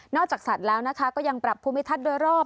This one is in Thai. จากสัตว์แล้วนะคะก็ยังปรับภูมิทัศน์โดยรอบ